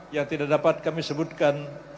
yang tidak dapat kami sebutkan